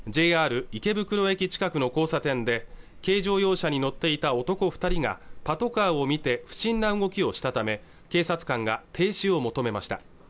ＪＲ池袋駅近くの交差点で軽乗用車に乗っていた男二人がパトカーを見て不審な動きをしたため警察官が停止を求めました